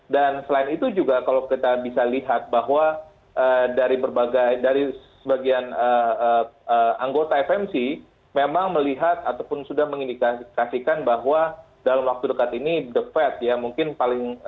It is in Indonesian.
dan selain itu juga kalau kita bisa lihat bahwa dari berbagai dari sebagian anggota fmc memang melihat ataupun sudah mengindikasikan bahwa dalam waktu dekat ini the fed ya mungkin paling